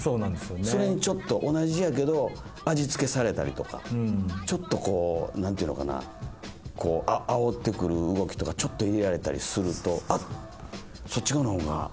それにちょっと同じやけど味付けされたりとかちょっとあおってくる動きとかちょっと入れられたりするとあっそっちのほうが。